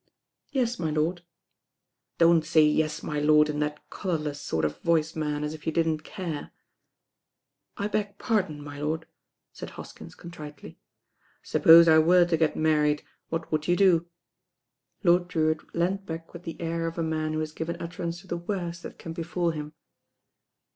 "Yes, my lord." "Don't say 'Yes, my lord' in that colourless sort of voice, man, as if you didn't care." I'l beg pardon, my lord," said Hoskins contritely. "Suppose I were to get married, what would you do?" Lord Drewitt leaned back with the air of a man who has given utterance to the worst that can befall him.